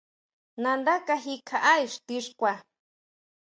Nandá kaji kjaʼá ixti xkua.